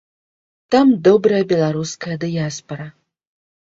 Там добрая беларуская дыяспара.